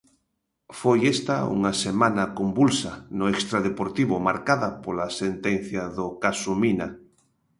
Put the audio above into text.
Foi esta unha semana convulsa no extradeportivo, marcada pola sentencia do caso Mina.